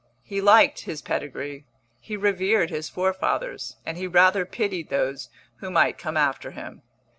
He liked his pedigree, he revered his forefathers, and he rather pitied those who might come after him.